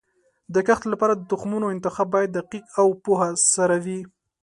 د کښت لپاره د تخمونو انتخاب باید دقیق او پوهه سره وي.